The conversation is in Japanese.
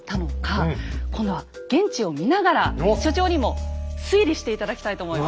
今度は現地を見ながら所長にも推理して頂きたいと思います。